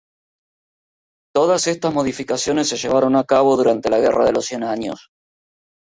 Todas estas modificaciones se llevaron a cabo durante la Guerra de los Cien Años.